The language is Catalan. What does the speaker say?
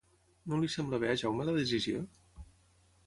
No li sembla bé a Jaume la decisió?